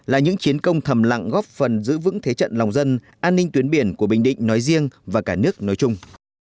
là những chiến công thầm lặng góp phần giữ vững thế trận lòng dân an ninh tuyến biển của bình định nói riêng và cả nước nói chung